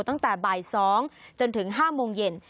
ตั้งแต่บ่าย๒จนถึง๕โมงเย็น